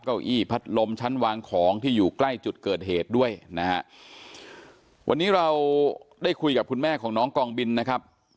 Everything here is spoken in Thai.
เก้าอี้พัดลมชั้นวางของที่อยู่ใกล้จุดเกิดเหตุด้วยนะฮะวันนี้เราได้คุยกับคุณแม่ของน้องกองบินนะครับ